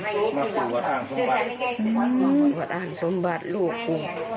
มาฝูกวัดอ่างสมบัติลูกกู